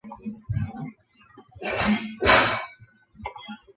兰舒凯马杜是巴西圣卡塔琳娜州的一个市镇。